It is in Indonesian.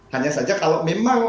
hanya saja kalau memang